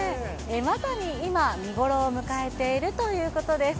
まさに今、見頃を迎えているということです。